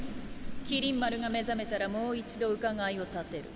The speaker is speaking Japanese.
麒麟丸が目覚めたらもう一度伺いを立てる。